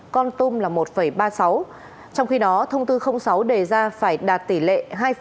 con tum là một ba mươi sáu trong khi đó thông tư sáu đề ra phải đạt tỷ lệ hai năm